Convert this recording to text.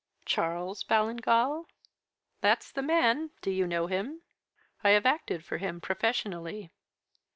"'Charles Ballingall?' "'That's the man. Do you know him?' "'I have acted for him professionally.'